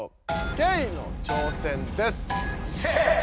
ケイの挑戦です。